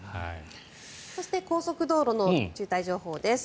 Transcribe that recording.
そして高速道路の渋滞情報です。